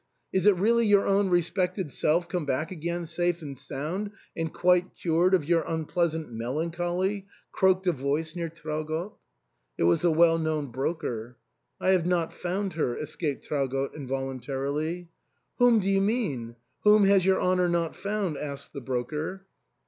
Is it really your own respected self come back again safe and sound, and quite cured of your unpleasant melancholy ?" croaked a voice near Traugott. It was the well known broker. " I have not found her," escaped Traugott involuntarily. " Whom do you mean ? Whom has your honour not found ?" asked the broker.